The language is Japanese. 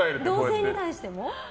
同性に対しても？